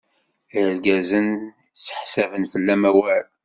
Irgazen seḥsaben fell-am awal.